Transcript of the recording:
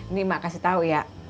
ini mak kasih tau ya